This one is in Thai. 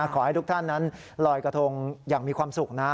ขอให้ทุกท่านนั้นลอยกระทงอย่างมีความสุขนะ